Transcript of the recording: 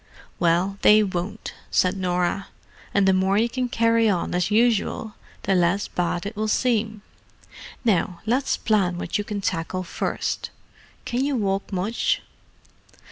"Well, they won't," said Norah. "And the more you can carry on as usual, the less bad it will seem. Now, let's plan what you can tackle first. Can you walk much?"